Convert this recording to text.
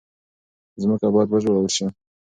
ځمکه باید وژغورل شي.